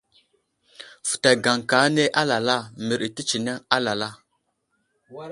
Fətay gaŋka ane alala mərdi tətsəneŋ alala.